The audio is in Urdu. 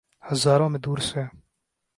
ہزاروں میل دور سے۔